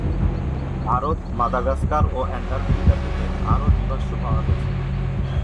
Bharat, Madagascar ও Antarctica থেকে আরও জীবাশ্ম পাওয়া গেছে।